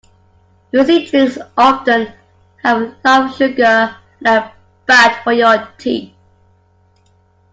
Fizzy drinks often have a lot of sugar and are bad for your teeth